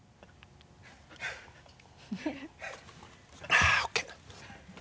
あっＯＫ。